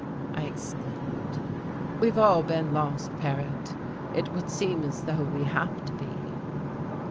I exclaimed. "We've all been lost, Paret. It would seem as though we have to be."